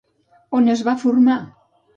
On es va formar?